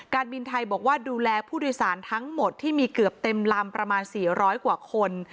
การบินไทยบอกว่าดูแลผู้โดยสารทั้งหมดที่มีเกือบเต็มลำประมาณ๔๐๐กว่าคน